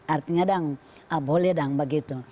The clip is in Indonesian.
artinya dong boleh dong begitu